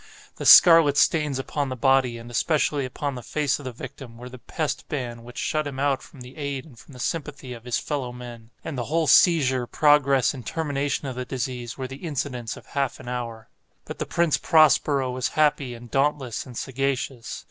The scarlet stains upon the body and especially upon the face of the victim, were the pest ban which shut him out from the aid and from the sympathy of his fellow men. And the whole seizure, progress and termination of the disease, were the incidents of half an hour. But the Prince Prospero was happy and dauntless and sagacious.